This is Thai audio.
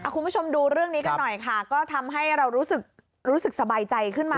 คุณผู้ชมดูเรื่องนี้กันหน่อยค่ะก็ทำให้เรารู้สึกสบายใจขึ้นมา